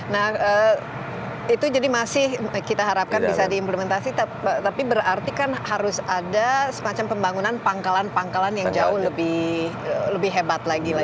nah itu jadi masih kita harapkan bisa diimplementasi tapi berarti kan harus ada semacam pembangunan pangkalan pangkalan yang jauh lebih hebat lagi lah